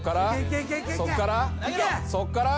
そっから？